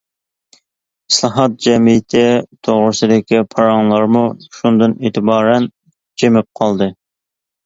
ئىسلاھات جەمئىيىتى توغرىسىدىكى پاراڭلارمۇ شۇندىن ئېتىبارەن جىمىپ قالدى.